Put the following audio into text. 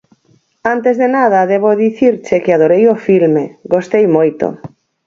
Antes de nada, debo dicirche que adorei o filme, gostei moito.